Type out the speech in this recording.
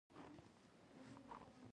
په ثابتې پانګې باندې ورزیاتول بله لاره ده